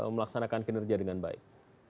melaksanakan kinerja dengan baik